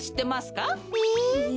え？